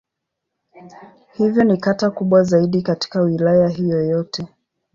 Hivyo ni kata kubwa zaidi katika Wilaya hiyo yote.